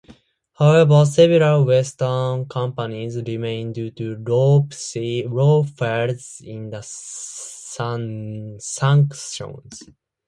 However, several Western companies remain due to loopholes in the sanctions.